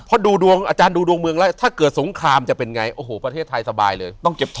เพราะดูดวงอาจารย์ดูดวงเมืองแล้วถ้าเกิดสงครามจะเป็นไงโอ้โหประเทศไทยสบายเลยต้องเจ็บท